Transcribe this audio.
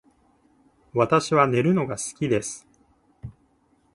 私は寝るのが好きです